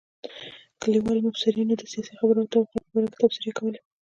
کلیوالو مبصرینو د سیاسي خبرو او واقعاتو په باره کې تبصرې کولې.